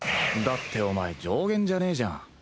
だってお前上弦じゃねえじゃん。